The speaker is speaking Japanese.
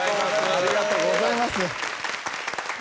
ありがとうございます。